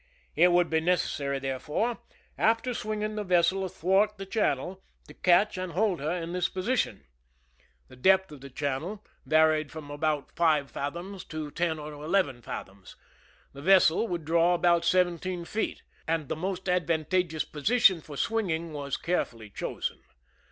It would be necessary, therefore, after swinging the vessel athwart the channel, to catch >and hold her in this position. The depth of the 21 THE SINKING OF THE "MERRIMAC' channel varied from about five fathoms to ten or eleven fathoms ; the vessel would draw about sev enteen feet, and the most advantageous position for swinging was carefully chosen.